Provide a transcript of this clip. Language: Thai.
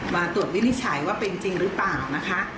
มาตรวจวินิจฉัยว่าเป็นจริงหรือเปล่านะคะ